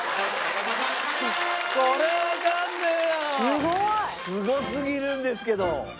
すごい！すごすぎるんですけど。